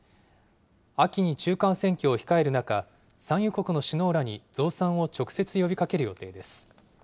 秋に中間選挙を控える中、産油国の首脳らに増産を直接呼びかける予定です。